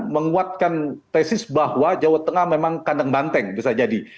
menguatkan tesis bahwa jawa tengah memang kandang banteng bisa jadi